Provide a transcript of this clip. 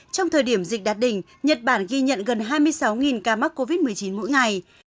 trong thời điểm dịch đạt đỉnh nhật bản ghi nhận gần hai mươi sáu ca mắc covid một mươi chín mỗi ngày